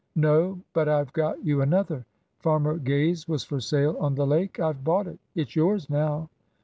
"No; but I've got you another. Farmer Gay's was for sale on the lake I've bought it. It's yours now."